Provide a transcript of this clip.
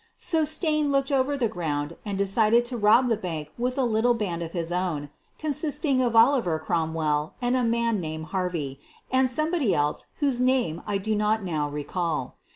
So Stain looked over the ground and decided to rob the bank with a little band of his own, consisting of Oliver Cromwell and a man named Harvey, and somebody else whose name I do not now recall.